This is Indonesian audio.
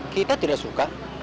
kita tidak suka